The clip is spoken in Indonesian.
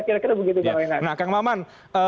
kira kira begitu bangunan nah kang maman